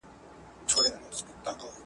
پر پاچا باندي د سر تر سترگو گران وه.